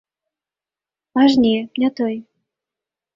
Аж не, не той.